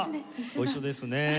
ご一緒ですね。